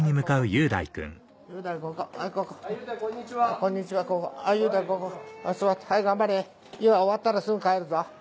ゆうだい終わったらすぐ帰るぞ。